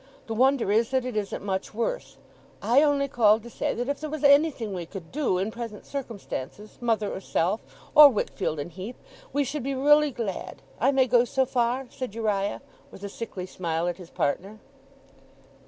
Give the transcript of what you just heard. The wonder is, that it isn't much worse! I only called to say that if there was anything we could do, in present circumstances, mother or self, or Wickfield and Heep, we should be really glad. I may go so far?' said Uriah, with a sickly smile at his partner.